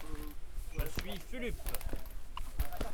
Je suis Fulup.